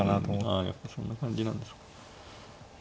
あやっぱそんな感じなんですか。